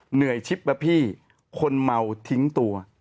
เหนื่อยชิบนะพี่คนเมาทิ้งตัว